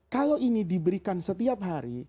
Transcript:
kalau ini diberikan setiap hari